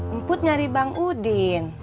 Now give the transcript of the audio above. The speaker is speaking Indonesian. emput nyari bang udin